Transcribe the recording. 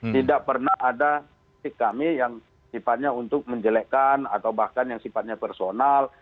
tidak pernah ada kami yang sifatnya untuk menjelekkan atau bahkan yang sifatnya personal